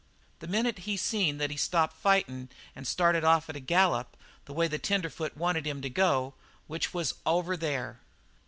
"The minute he seen that he stopped fightin' and started off at a gallop the way the tenderfoot wanted him to go, which was over there.